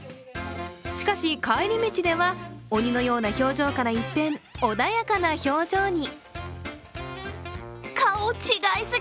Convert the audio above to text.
しかし、帰り道では鬼のような表情から一変、穏やかな表情に。